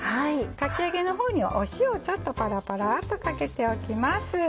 かき揚げの方には塩をちょっとパラパラっとかけておきます。